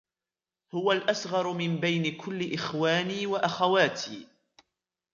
هو الأصغر من بين كلّ إخواني و أخواتي.